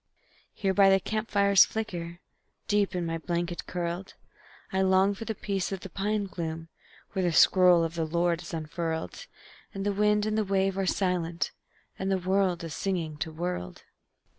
Here by the camp fire's flicker, Deep in my blanket curled, I long for the peace of the pine gloom, When the scroll of the Lord is unfurled, And the wind and the wave are silent, And world is singing to world.